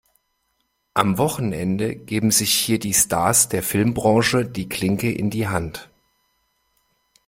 Am Wochenende geben sich hier die Stars der Filmbranche die Klinke in die Hand.